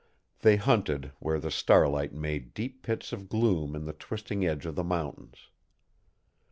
They hunted where the starlight made deep pits of gloom in the twisting edge of the mountains.